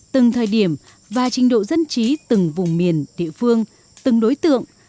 từng thời điểm và trình độ dân trí từng vùng miền địa phương từng đối tượng